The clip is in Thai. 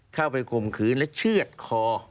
เข้าไปกลมขืนและเชื่อดคอ